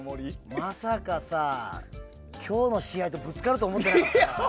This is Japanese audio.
まさか今日の試合とぶつかると思ってなかった。